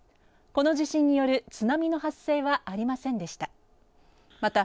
この地震による津波の発生はありませんでした。